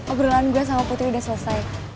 oh perlahan gue sama putri udah selesai